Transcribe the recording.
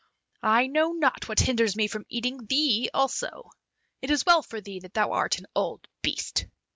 I know not what hinders me from eating thee also! It is well for thee that thou art an old beast!